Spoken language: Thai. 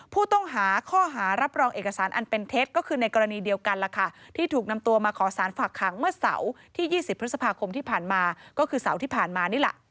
ผู้ต้องหาข้อหารับรองเอกสารอันเป็นเท็จในกรณีเดียวกันที่ถูกนำตัวมาขอฝากคังเมื่อเสาร์ที่๒๐พฤษภาคมที่ผ่านมา